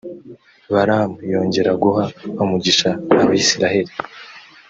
balamu yongera guha umugisha abayisraheli.